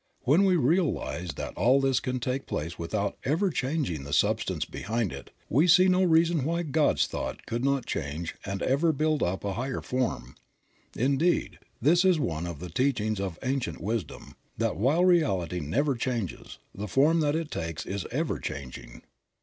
When we realize that all this can take place without ever changing the substance behind it, we see no reason why God's thought could not change and ever build up a higher form. Indeed, this is one of the teachings of Ancient Wisdom, that while reality never changes, the form that it takes is ever changing.